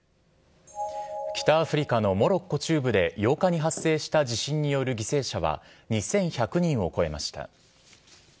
北アフリカのモロッコ中部で８日に発生した地震による犠牲者は２１００人を超えました。